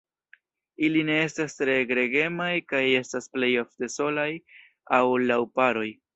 Ili ne estas tre gregemaj kaj estas plej ofte solaj aŭ laŭ paroj.